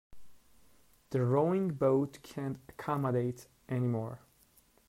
The rowing boat can't accommodate any more.